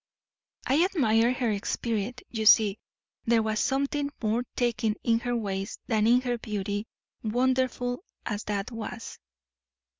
I admired her spirit, you see. There was something more taking in her ways than in her beauty, wonderful as that was.